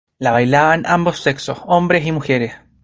La bailan ambos sexos, hombres y mujeres.